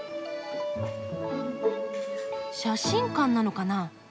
写真館なのかな？